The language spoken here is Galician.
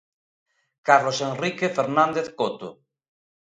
Carlos Henrique Fernández Coto.